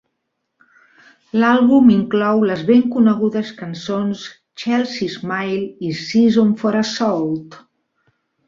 L'àlbum inclou les ben conegudes cançons "Chelsea Smile" i "Season For Assault".